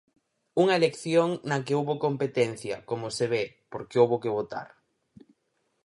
Unha elección na que houbo competencia, como se ve, porque houbo que votar.